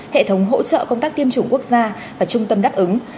hệ thống hỗ trợ công tác tiêm chủng quốc gia và trung tâm đáp ứng